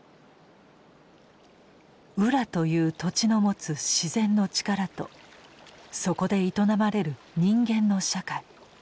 「浦」という土地の持つ自然の力とそこで営まれる人間の社会。